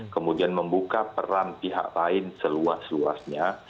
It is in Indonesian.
kemudian membuka peran pihak lain seluas luasnya